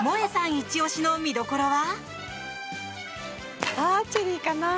イチ押しの見どころは？